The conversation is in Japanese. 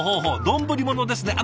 丼物ですね。